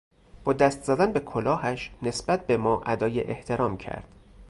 با دست زدن به کلاهش نسبت به ما ادای احترام کرد.